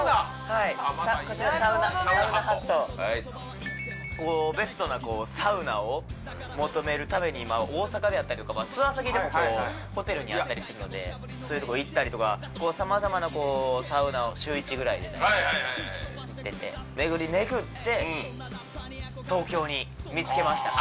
はいサウナハットはいベストなサウナを求めるために今大阪であったりとかツアー先でもホテルにあったりするのでそういうとこ行ったりとかさまざまなサウナを週一ぐらいで行っててめぐりめぐって東京に見つけました